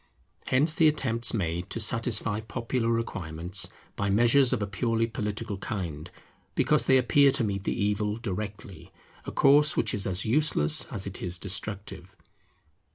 Hence the attempts made to satisfy popular requirements by measures of a purely political kind, because they appear to meet the evil directly; a course which is as useless as it is destructive.